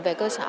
về cơ sở